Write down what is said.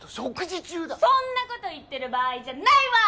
そんな事言ってる場合じゃないわ！